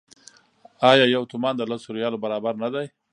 آیا یو تومان د لسو ریالو برابر نه دی؟